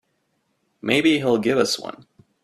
Maybe he'll give us one.